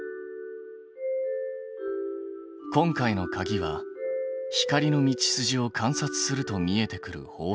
今回のかぎは光の道筋を観察すると見えてくる法則。